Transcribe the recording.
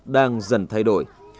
đang dần thay đổi